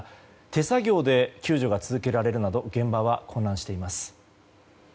手作業で救助が続けられるなど現場は混乱しています。